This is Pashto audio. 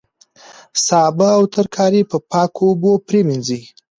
سابه او ترکاري په پاکو اوبو پریمنځئ.